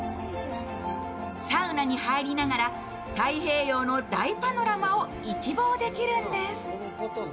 サウナに入りながら、太平洋の大パノラマを一望できるんです。